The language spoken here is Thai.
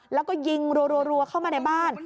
แล้วก็ยิงรัวเข้ามาในบ้าน